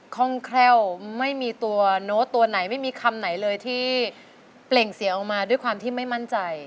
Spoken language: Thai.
ข้องแคล่วไม่มีตัวโน้ตตัวไหนไม่มีคำไหนเลยที่เปล่งเสียงออกมาด้วยความที่ไม่มั่นใจ